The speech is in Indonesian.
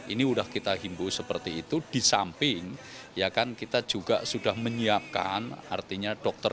ini udah kita himbu seperti itu di samping ya kan kita juga sudah menyiapkan artinya dokter